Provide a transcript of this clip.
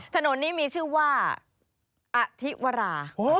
ถนนนี้มีชื่อว่าอธิวรา